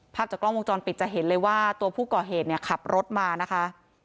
จากกล้องวงจรปิดจะเห็นเลยว่าตัวผู้ก่อเหตุเนี่ยขับรถมานะคะ